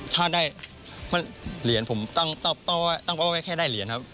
ถ้าได้เหรียญผมตั้งตั้งตั้งว่าตั้งว่าแค่ได้เหรียญครับ